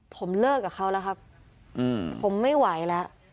ผมเลิกกับเขาแล้วครับผมไม่ไหวแล้ว